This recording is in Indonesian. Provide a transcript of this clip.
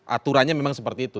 aturannya memang seperti itu